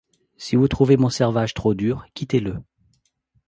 Si vous trouvez mon servage trop dur, quittez-le